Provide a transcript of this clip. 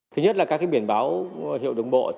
thứ nhất là các biển báo hiệu đồng bộ